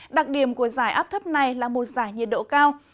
đặc điểm của dài áp thấp này là một dài nhiệt độ cao